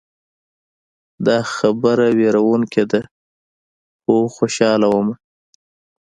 دا خبره ویروونکې ده خو خوشحاله ومه.